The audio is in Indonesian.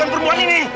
bukan perempuan ini